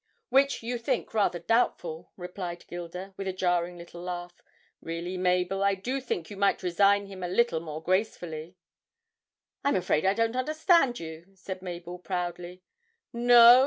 'Which you think rather doubtful?' replied Gilda, with a jarring little laugh. 'Really, Mabel, I do think you might resign him a little more gracefully!' 'I'm afraid I don't understand you,' said Mabel, proudly. 'No?'